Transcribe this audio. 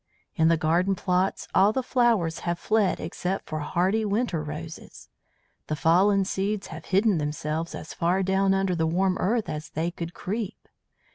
"In the garden plots all the flowers have fled except the hardy winter roses; the fallen seeds have hidden themselves as far down under the warm earth as they could creep.